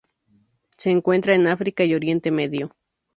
Se encuentra en África y Oriente Medio.